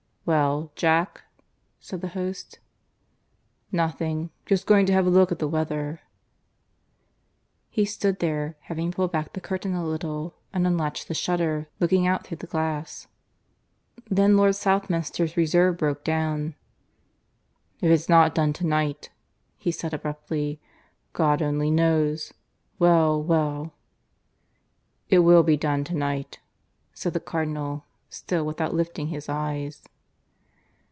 "Well, Jack?" said the host. "Nothing just going to have a look at the weather." He stood there, having pulled back the curtain a little and unlatched the shutter, looking out through the glass. Then Lord Southminster's reserve broke down. "If it's not done to night," he said abruptly, "God only knows Well, well." "It will be done to night," said the Cardinal, still without lifting his eyes.